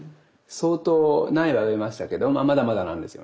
相当苗は植えましたけどまだまだなんですよね。